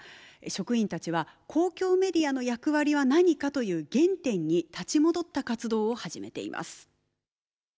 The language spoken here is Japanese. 職員たちは公共メディアの役割は何かという原点に立ち戻った活動を始めています。